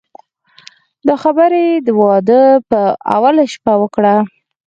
دا خبره یې د واده په اوله شپه وکړه.